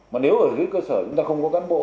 mà nếu ở dưới cơ sở chúng ta không có cán bộ